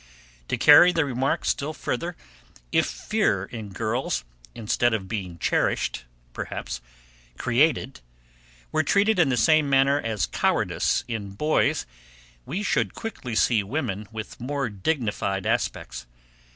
To carry the remark still further, if fear in girls, instead of being cherished, perhaps, created, were treated in the same manner as cowardice in boys, we should quickly see women with more dignified aspects.